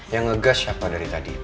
yang nge gash siapa dari tadi